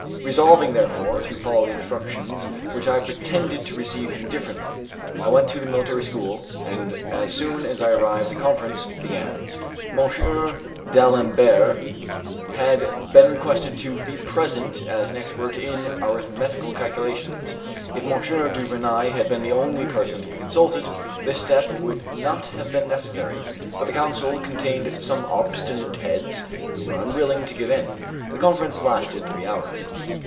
Resolving, therefore, to follow the instructions which I pretended to receive indifferently. I went to the military school, and as soon as I arrived the conference began. M. d'Alembert had been requested to be present as an expert in arithmetical calculations. If M. du Vernai had been the only person to be consulted, this step would not have been necessary; but the council contained some obstinate heads who were unwilling to give in. The conference lasted three hours.